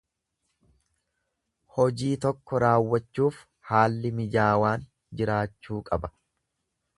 Hojii tokko raawwachuuf haalli mijaawaan jiraachuu qaba.